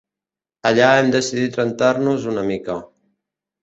Allà hem decidit rentar-nos una mica.